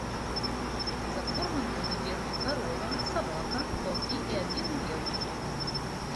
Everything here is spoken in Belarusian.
За фурманкамі беглі карова, сабака, ваўкі і адзіны леў.